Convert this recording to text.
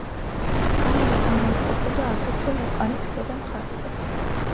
აირი გამოიყოფოდა აგრეთვე ვულკანის ქვედა მხარესაც.